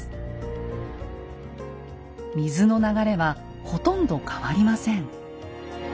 水の流れはほとんど変わりません。